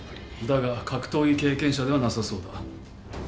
だが格闘技経験者ではなさそうだ。